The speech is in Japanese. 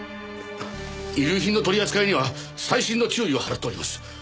遺留品の取り扱いには細心の注意を払っております。